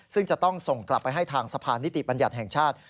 ซึ่งจะต้องส่งกลับไปให้ทางสะพานนิติบัญญัติแห่งชาติ